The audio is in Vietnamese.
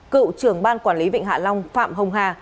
cựu trưởng ban quản lý vịnh hạ long phạm hồng hà